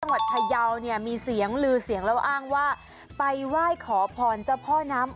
จังหวัดทัยาวเนี่ยมีเสียงลือเสียงแล้วอ้างว่า